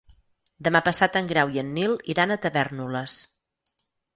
Demà passat en Grau i en Nil iran a Tavèrnoles.